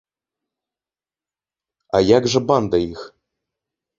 А як жа банда іх?